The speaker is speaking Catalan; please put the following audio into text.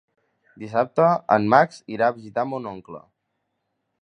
Dissabte en Max irà a visitar mon oncle.